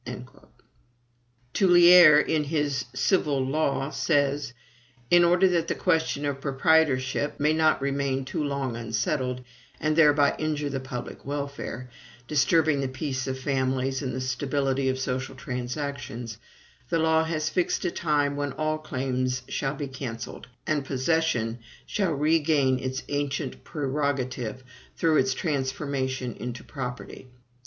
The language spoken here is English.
Toullier, in his "Civil Law," says: "In order that the question of proprietorship may not remain too long unsettled, and thereby injure the public welfare, disturbing the peace of families and the stability of social transactions, the law has fixed a time when all claims shall be cancelled, and possession shall regain its ancient prerogative through its transformation into property."